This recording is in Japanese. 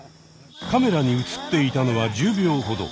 カメラに写っていたのは１０秒ほど。